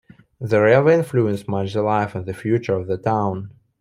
The railway influenced much the life and the future of the town.